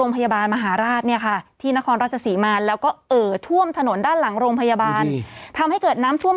ไปกลับมาครับ